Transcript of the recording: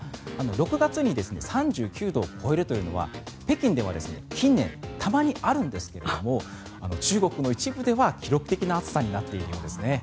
６月に３９度を超えるというのは北京では近年たまにあるんですけども中国の一部では記録的な暑さになっているようですね。